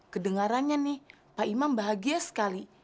kedengarannya nih pak imam bahagia sekali